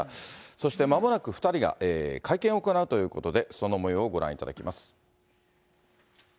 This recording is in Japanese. そしてまもなく２人が会見を行うということで、そのもようをご覧いただきます。